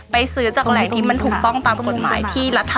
แต่คำว่า๒อันนี้อันไหนกินอร่อย